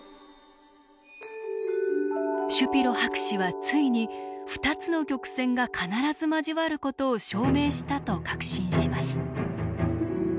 シュピロ博士はついに２つの曲線が必ず交わることを証明したと確信します。